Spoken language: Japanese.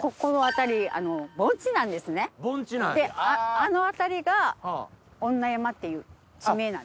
あの辺りが女山っていう地名なんです。